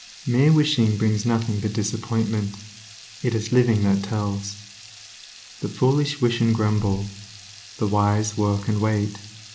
Mere wishing brings nothing but disappointment; it is living that tells. The foolish wish and grumble; the wise, work and wait.